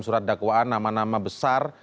surat dakwaan nama nama besar